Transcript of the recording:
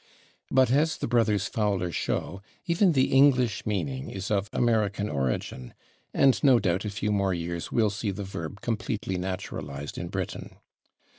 But, as the brothers Fowler show, even the English meaning is of American origin, and no doubt a few more years will see the verb completely naturalized in Britain.